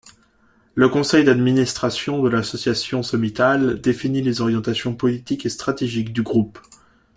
Le conseil d’administration de l’Association sommitale définit les orientations politiques et stratégiques du groupe.